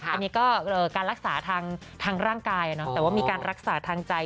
อันนี้ก็การรักษาทางร่างกายแต่ว่ามีการรักษาทางใจ